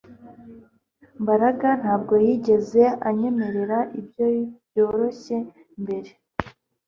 Mbaraga ntabwo yigeze anyemerera ibyo byoroshye mbere